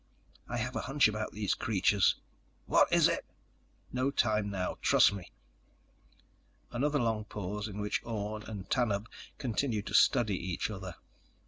_ "I have a hunch about these creatures." "What is it?" "No time now. Trust me." Another long pause in which Orne and Tanub continued to study each other.